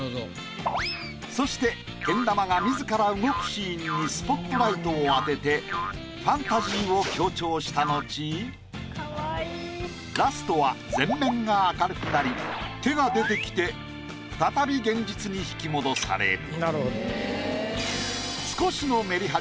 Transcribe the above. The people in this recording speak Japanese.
そしてけん玉が自ら動くシーンにスポットライトを当ててファンタジーを強調した後ラストは全面が明るくなり手が出てきて再び現実に引き戻される。